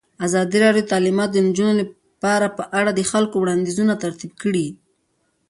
ازادي راډیو د تعلیمات د نجونو لپاره په اړه د خلکو وړاندیزونه ترتیب کړي.